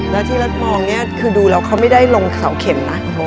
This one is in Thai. แล้วที่รัฐมองเนี่ยคือดูแล้วเขาไม่ได้ลงเสาเข็มนะ